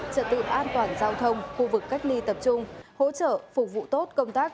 trật tự an toàn giao thông khu vực cách ly tập trung hỗ trợ phục vụ tốt công tác